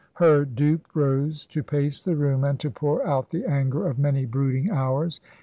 Her dupe rose to pace the room, and to pour out the anger of many brooding hours.